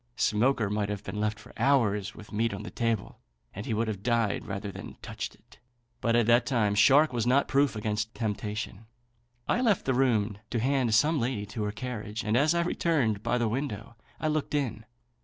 Smoaker might have been left for hours with meat on the table, and he would have died rather than have touched it; but at that time Shark was not proof against temptation. I left the room to hand some lady to her carriage, and as I returned by the window, I looked in.